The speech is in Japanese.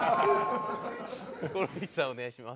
ヒコロヒーさんお願いします。